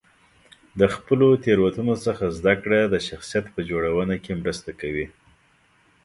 د خپلو تېروتنو څخه زده کړه د شخصیت په جوړونه کې مرسته کوي.